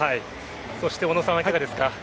そして小野さんはいかがですか？